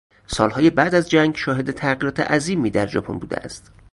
سالهای بعد از جنگ شاهد تغییرات عظیمی در ژاپن بوده است.